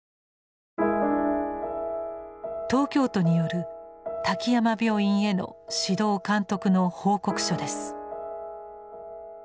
東京都による滝山病院への指導監督の報告書です。